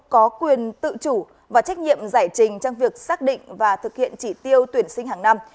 có quyền tự chủ và trách nhiệm giải trình trong việc xác định và thực hiện chỉ tiêu tuyển sinh hàng năm